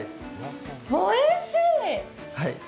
おいしい。